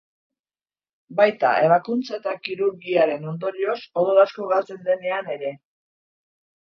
Baita ebakuntza eta kirurgiaren ondorioz odol asko galtzen denean ere.